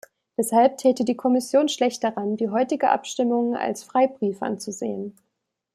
Deshalb täte die Kommission schlecht daran, die heutige Abstimmung als Freibrief anzusehen.